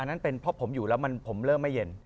นั่นเป็นเพราะผมอยู่แล้วผมเริ่มไม่เย็น